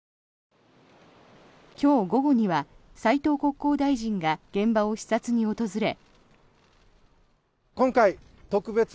今日午後には斉藤国交大臣が現場を視察に訪れ。